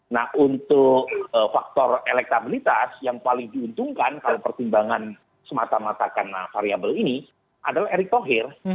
nah untuk faktor elektabilitas yang paling diuntungkan kalau pertimbangan semata mata karena variable ini adalah erick thohir